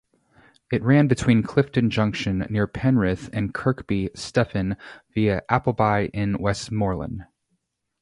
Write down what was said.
It ran between Clifton Junction near Penrith and Kirkby Stephen via Appleby-in-Westmorland.